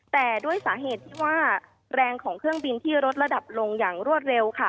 แต่ด้วยสาเหตุที่ว่าแรงของเครื่องบินที่ลดระดับลงอย่างรวดเร็วค่ะ